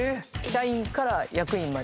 社員から役員まで。